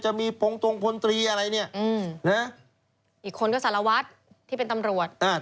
จะมีพงตรงพนตรีอะไรเนี่ยอีกคนก็สารวัฒน์ที่เป็นตำรวจ